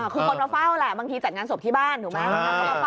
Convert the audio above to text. คือคนมาเฝ้าแหละบางทีจัดงานศพที่บ้านถูกไหม